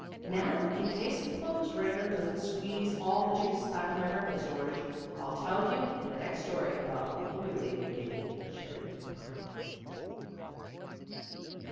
Now, in case the clothes wringer doesn't squeeze all the juice out of my breakfast orange, I'll tell you in the next story about Uncle Wiggily making a cherry pie.